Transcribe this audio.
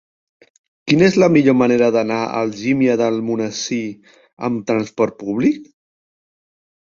Quina és la millor manera d'anar a Algímia d'Almonesir amb transport públic?